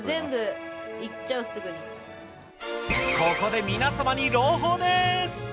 ここで皆様に朗報です。